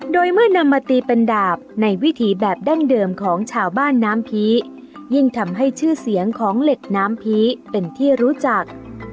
โดยเมื่อนำมาตีเป็นดาบในวิถีแบบดั้งเดิมของชาวบ้านน้ำผียิ่งทำให้ชื่อเสียงของเหล็กน้ำผีเป็นที่รู้จัก